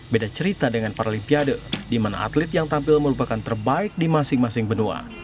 beda cerita dengan paralimpiade di mana atlet yang tampil merupakan terbaik di masing masing benua